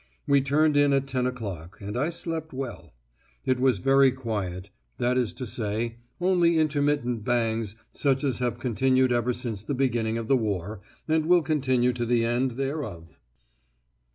We turned in at ten o'clock, and I slept well. It was 'very quiet'; that is to say, only intermittent bangs such as have continued ever since the beginning of the war, and will continue to the end thereof!